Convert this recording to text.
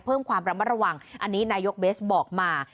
เพิ่มความระมัดระวังอันนี้นายกเบสบอกมา